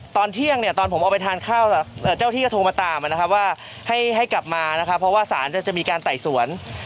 ตอนเที่ยงเนี่ยตอนผมออกไปทานข้าวเจ้าที่ก็โทรมาตามนะครับว่าให้กลับมานะครับเพราะว่าสารจะมีการไต่สวน